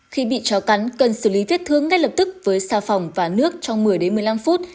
khi bị chó cắn cần xử lý viết thương ngay lập tức với xa phòng và nước trong một mươi một mươi năm phút